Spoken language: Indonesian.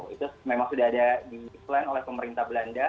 itu memang sudah ada di plan oleh pemerintah belanda